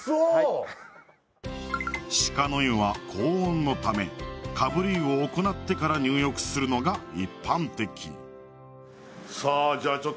鹿の湯は高温のためかぶり湯を行ってから入浴するのが一般的さあじゃあちょっと